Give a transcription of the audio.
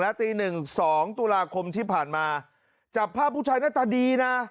ตีหนึ่งสองตุลาคมที่ผ่านมาจับภาพผู้ชายหน้าตาดีนะ